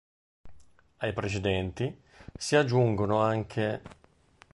Ai precedenti si aggiungono anche